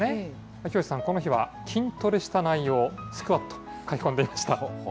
秋吉さん、この日は筋トレした内容、スクワット、書き込んでいました。